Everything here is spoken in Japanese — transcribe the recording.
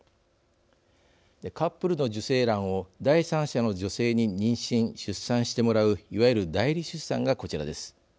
カップルの受精卵を第三者の女性に妊娠・出産してもらういわゆる代理出産がこちらです。